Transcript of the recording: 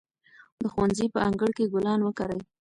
د ښوونځي په انګړ کې ګلان وکرئ.